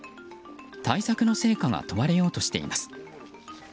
対策の成果が問われようとしています。